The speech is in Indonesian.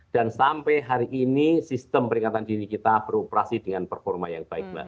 dan sampai hari ini sistem peringatan diri kita beroperasi dengan performa yang baik mbak